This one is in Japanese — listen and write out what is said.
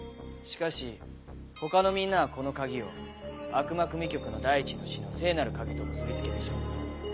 しかし他のみんなはこの鍵を『悪魔組曲』の第一の詩の「聖なる鍵」と結び付けてしまった。